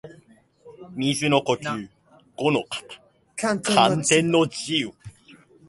水の呼吸伍ノ型干天の慈雨（ごのかたかんてんのじう）